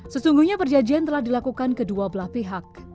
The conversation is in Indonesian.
sesungguhnya perjanjian telah dilakukan kedua belah pihak